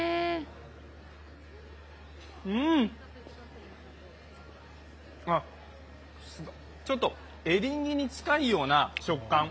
うん、ちょっとエリンギに近いような食感。